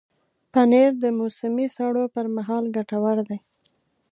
پنېر د موسمي سړو پر مهال ګټور دی.